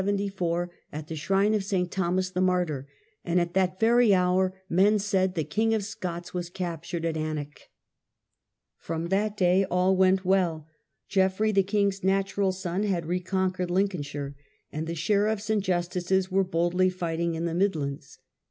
31 1 1 74, at the shrine of S. Thomas the martyr; and at that very hour, men said, the King of Scots was captured at Alnwick. From that day all went well. Geoffrey, the king's natural son, had reconquered Lincolnshire, and the sheriffs and justices were boldly fighting in the mid lands.